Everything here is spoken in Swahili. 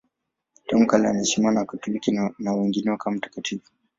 Tangu kale anaheshimiwa na Wakatoliki na wengineo kama mtakatifu.